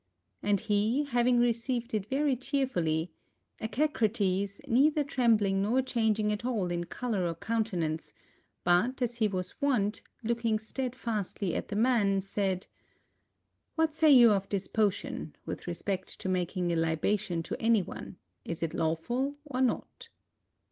And he having received it very cheerfully, Echecrates, neither trembling nor changing at all in color or countenance, but, as he was wont, looking steadfastly at the man, said, "What say you of this potion, with respect to mak ing a libation to any one, is it lawful or not?